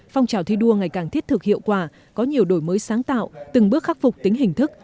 phong trào thi đua ngày càng thiết thực hiệu quả có nhiều đổi mới sáng tạo từng bước khắc phục tính hình thức